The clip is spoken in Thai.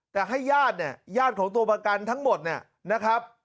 แต่ให้ญาติเนี่ยญาติของตัวประกันทั้งหมดเนี่ยนะครับ